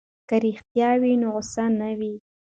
که رښتیا وي نو غوسه نه وي.